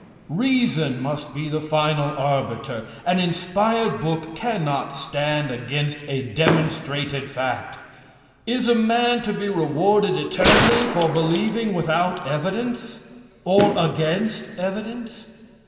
Reason must be the final arbiter. An inspired book cannot stand against a demonstrated fact. Is a man to be rewarded eternally for believing without evidence or against evidence?